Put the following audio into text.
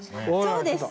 そうです。